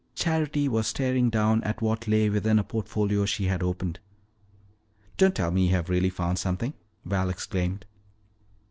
Charity was staring down at what lay within a portfolio she had opened. "Don't tell me you have really found something!" Val exclaimed.